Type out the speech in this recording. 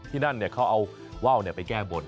ที่นั่นเขาเอาว่าวไปแก้บน